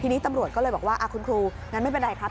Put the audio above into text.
ทีนี้ตำรวจก็เลยบอกว่าคุณครูงั้นไม่เป็นไรครับ